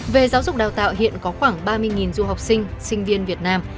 về giáo dục đào tạo hiện có khoảng ba mươi du học sinh sinh viên việt nam